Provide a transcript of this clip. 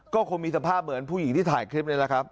ก็คงมีสภาพเหมือนผู้หญิงที่ถ่ายคลิปนี่แหละครับ